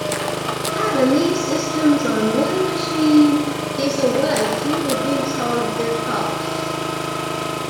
Having these systems on one machine is a way to reduce hardware costs.